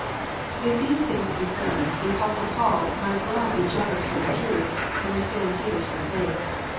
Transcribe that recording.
If these things be so, the Apostle Paul might well be jealous for the truth, and withstand Peter to the face.